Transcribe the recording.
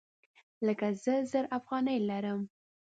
لکه زه زر افغانۍ لرم